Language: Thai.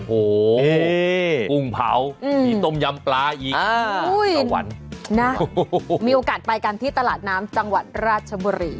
โอ้โหกุ้งเผามีต้มยำปลาอีกตะวันนะมีโอกาสไปกันที่ตลาดน้ำจังหวัดราชบุรี